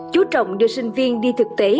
chú trọng đưa sinh viên đi thực tế